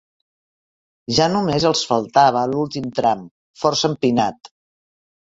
Ja només els faltava l'últim tram, força empinat.